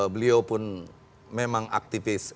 beliau pun memang aktivis